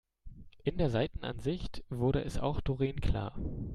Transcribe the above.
In der Seitenansicht wurde es auch Doreen klar.